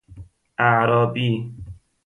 اعرابی